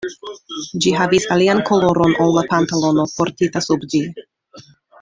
Ĝi havis alian koloron ol la pantalono, portita sub ĝi.